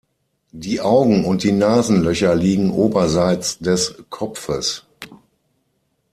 Die Augen und die Nasenlöcher liegen oberseits des Kopfes.